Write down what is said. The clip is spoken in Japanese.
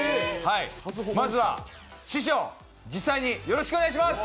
まずは、師匠、実際によろしくお願いします！